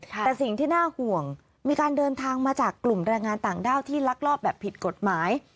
แต่สิ่งที่น่าห่วงมีการเดินทางมาจากกลุ่มแรงงานต่างด้าวที่ลักลอบแบบผิดกฎหมาย